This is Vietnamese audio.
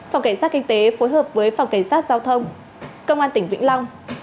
phòng cảnh sát kinh tế phối hợp với phòng cảnh sát giao thông công an tỉnh vĩnh long